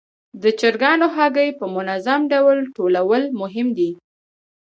د چرګانو هګۍ په منظم ډول ټولول مهم دي.